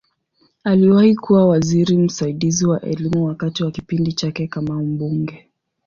Aliwahi kuwa waziri msaidizi wa Elimu wakati wa kipindi chake kama mbunge.